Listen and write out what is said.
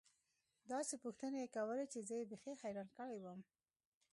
داسې پوښتنې يې کولې چې زه يې بيخي حيران کړى وم.